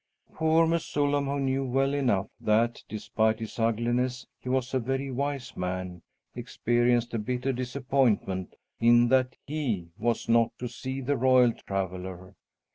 Poor Mesullam, who knew well enough that, despite his ugliness, he was a very wise man, experienced a bitter disappointment in that he was not to see the royal traveller.